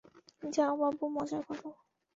যাও, বাবু মজা করো।